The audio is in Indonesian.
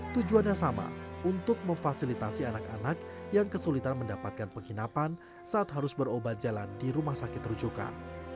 tujuannya sama untuk memfasilitasi anak anak yang kesulitan mendapatkan penginapan saat harus berobat jalan di rumah sakit rujukan